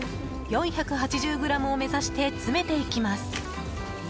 ４８０ｇを目指して詰めていきます。